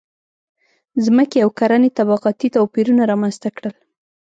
• ځمکې او کرنې طبقاتي توپیرونه رامنځته کړل.